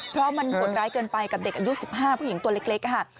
เพราะมันหดร้ายเกินไปกับเด็กอายุ๑๕ผู้หญิงตัวเล็กค่ะ